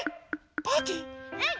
うん。